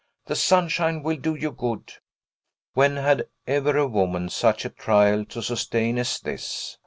The sunshine will do you good." When had ever a woman such a trial to sustain as this!